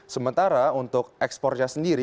sementara untuk ekspornya sendiri